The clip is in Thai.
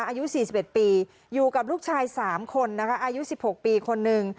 อายุสี่สิบเอ็ดปีอยู่กับลูกชายสามคนนะคะอายุสิบหกปีคนหนึ่ง